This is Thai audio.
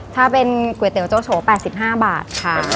ถ้าเป็นก๋วยเตี๋ยวโจโช่๙๕กว่าบาทค่ะ